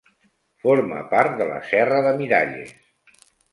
Forma part de la Serra de Miralles.